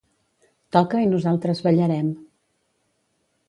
Toca i nosaltres ballarem.